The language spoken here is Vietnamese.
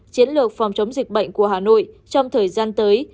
chiến lược phòng chống dịch bệnh của hà nội trong thời gian tới